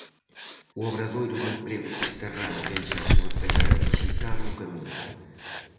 O obradoiro de emprego fisterrán deixa a súa pegada dixital no camiño.